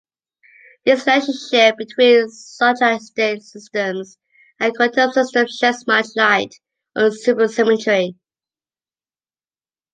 This relationship between stochastic systems and quantum systems sheds much light on supersymmetry.